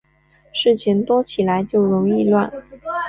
事情多起来就容易乱